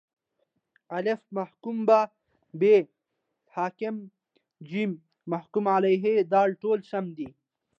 الف: محکوم به ب: حاکم ج: محکوم علیه د: ټوله سم دي